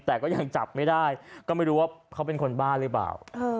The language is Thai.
แต่ก็ยังจับไม่ได้ก็ไม่รู้ว่าเขาเป็นคนบ้าหรือเปล่า